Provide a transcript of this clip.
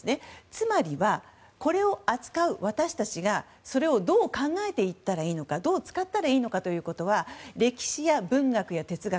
つまりは、これを扱う私たちがそれをどう考えていったらいいのかどう使ったらいいのかということは歴史や文学や哲学